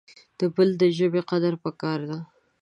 د بل دژبي قدر پکار د